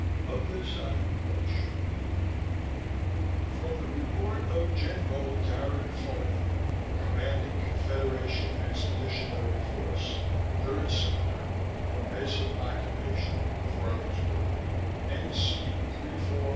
Of this, I am quite sure. From the Report of Genmo. Darad Farnung, Commanding Confederation Expeditionary Force, 3rd Sector From Base of Occupation, Fruyling's World (NC34157:495:4) ...